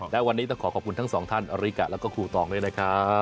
และวันนี้ต้องขอขอบคุณทั้งสองท่านอริกะแล้วก็ครูตองด้วยนะครับ